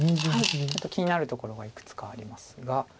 ちょっと気になるところがいくつかありますが。